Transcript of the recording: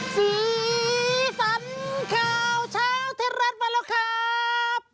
สีสันข่าวเช้าไทยรัฐมาแล้วครับ